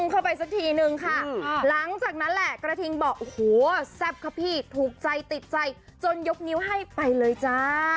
เข้าไปสักทีนึงค่ะหลังจากนั้นแหละกระทิงบอกโอ้โหแซ่บค่ะพี่ถูกใจติดใจจนยกนิ้วให้ไปเลยจ้า